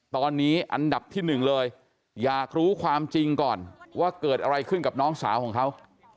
ตอนนี้อันดับที่หนึ่งเลยอยากรู้ความจริงก่อนว่าเกิดอะไรขึ้นกับน้องสาวของเขา